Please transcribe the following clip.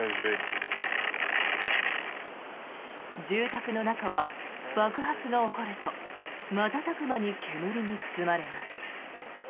住宅の中は爆発が起こると瞬く間に煙に包まれます。